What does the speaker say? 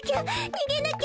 にげなきゃ！